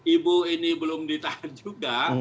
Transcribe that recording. ibu ini belum ditahan juga